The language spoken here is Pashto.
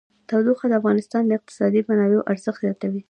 تودوخه د افغانستان د اقتصادي منابعو ارزښت زیاتوي.